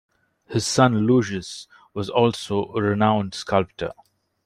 His son, Lycius, was also a renowned sculptor.